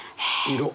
色。